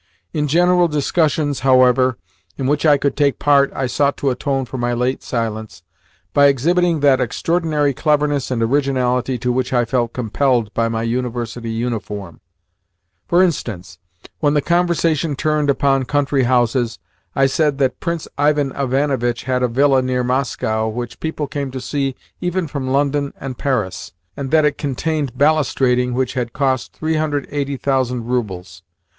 In general discussions, however, in which I could take part I sought to atone for my late silence by exhibiting that extraordinary cleverness and originality to which I felt compelled by my University uniform. For instance, when the conversation turned upon country houses, I said that Prince Ivan Ivanovitch had a villa near Moscow which people came to see even from London and Paris, and that it contained balustrading which had cost 380,000 roubles.